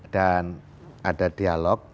dan ada dialog